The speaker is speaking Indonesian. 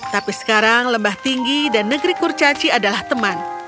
tapi sekarang lembah tinggi dan negeri kurcaci adalah teman